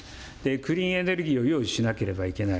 クリーンエネルギーを用意しなければいけない。